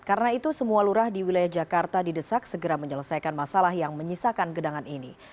karena itu semua lurah di wilayah jakarta didesak segera menyelesaikan masalah yang menyisakan genangan ini